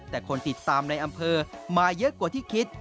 แต่คนติดตามในอำเภอมาเยอะกว่าที่คิด